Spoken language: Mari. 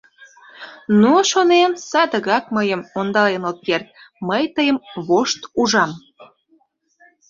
Ну, шонем, садыгак мыйым ондален от керт, мый тыйым вошт ужам.